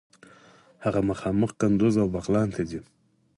هغه مخامخ قندوز او بغلان ته ځي.